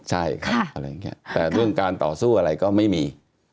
ใช่ค่ะแต่เรื่องการต่อสู้อะไรก็ไม่มี